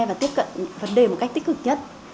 và tiếp cận vấn đề một cách tích cực nhất